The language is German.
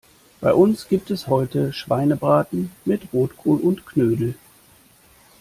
Bei uns gibt es heute Schweinebraten mit Rotkohl und Knödel.